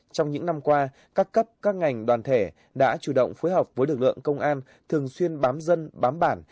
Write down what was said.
trong những năm qua các cấp các ngành đoàn thể đã chủ động phối hợp với lực lượng công an thường xuyên bám dân bám bản